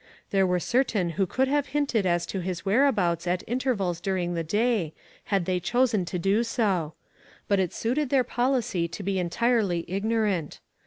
There were certain who could have hinted as to his whereabouts at intervals during the day, had they chosen to do so ; but it suited their policy to be entirely ignorant.